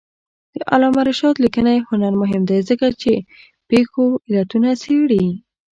د علامه رشاد لیکنی هنر مهم دی ځکه چې پېښو علتونه څېړي.